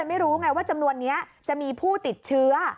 ไม่รู้ไงว่าจำนวนนี้จะมีผู้ติดเชื้อ